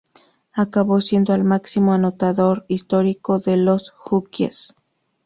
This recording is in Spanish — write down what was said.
Acabó siendo el máximo anotador histórico de los "Huskies".